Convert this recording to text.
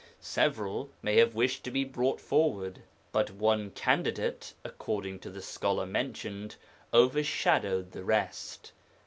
Several may have wished to be brought forward, but one candidate, according to the scholar mentioned, overshadowed the rest.